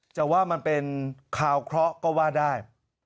จะว่ามันเป็นคาวเคราะห์ก็ว่าได้